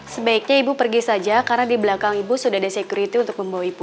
sebaiknya ibu pergi saja karena di belakang ibu sudah ada security untuk membawa ibu